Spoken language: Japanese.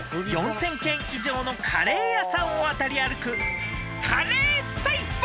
［４，０００軒以上のカレー屋さんを渡り歩くカレー細胞さん］